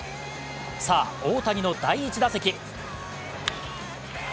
大谷の第１打席